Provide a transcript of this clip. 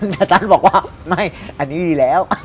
แต่ท่านบอกว่าไม่อันนี้ดีแล้ว